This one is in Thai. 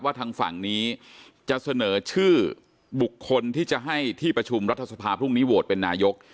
ทางฝั่งนี้จะเสนอชื่อบุคคลที่จะให้ที่ประชุมรัฐสภาพรุ่งนี้โหวตเป็นนายก